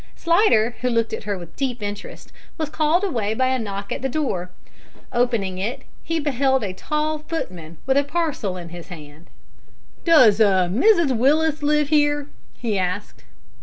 Slidder, who looked at her with deep interest, was called away by a knock at the door. Opening it he beheld a tall footman, with a parcel in his hand. "Does a Mrs Willis live here?" he asked.